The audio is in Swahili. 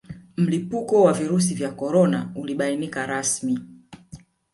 Mlipuko wa Virusi vya Korona ulibainika rasmi